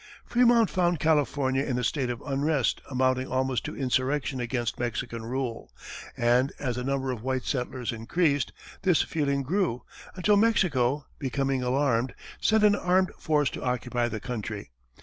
Frémont found California in a state of unrest amounting almost to insurrection against Mexican rule, and as the number of white settlers increased, this feeling grew, until Mexico, becoming alarmed, sent an armed force to occupy the country.